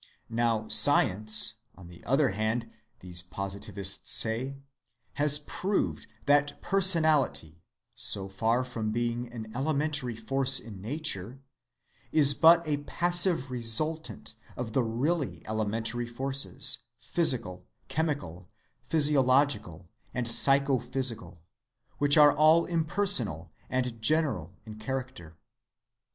Now science, on the other hand, these positivists say, has proved that personality, so far from being an elementary force in nature, is but a passive resultant of the really elementary forces, physical, chemical, physiological, and psycho‐physical, which are all impersonal and general in character.